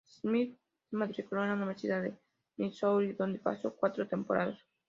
Smith se matriculó en la Universidad de Missouri, donde pasó cuatro temporadas.